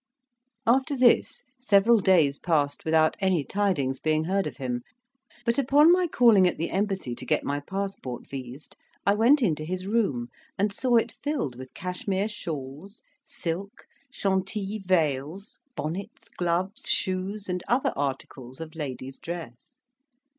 After this, several days passed without any tidings being heard of him; but upon my calling at the embassy to get my passport vised, I went into his room, and saw it filled with Cashmere shawls, silk, Chantilly veils, bonnets, gloves, shoes, and other articles of ladies' dress.